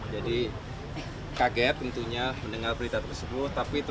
jadi kaget tentunya mendengar berita tersebut